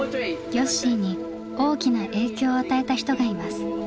よっしーに大きな影響を与えた人がいます。